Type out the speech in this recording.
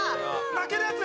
泣けるやつ